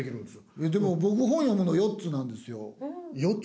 えっでも僕本読むの４つなんですよ４つ？